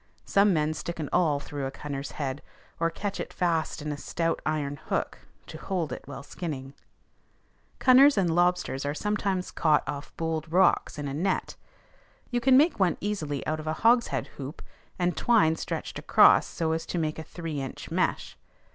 Some men stick an awl through a cunner's head, or catch it fast in a stout iron hook, to hold it while skinning. Cunners and lobsters are sometimes caught off bold rocks in a net. You can make one easily out of a hogshead hoop, and twine stretched across so as to make a three inch mesh.